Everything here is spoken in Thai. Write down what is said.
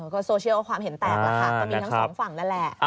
ก็มีทั้งสองฝั่งนั่นแหละ